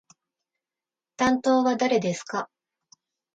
担当は誰ですか？